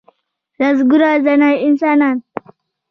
لسګونه زره انسانان .